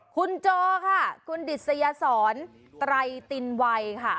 คุณโจค่ะคุณดิษยศรไตรตินวัยค่ะ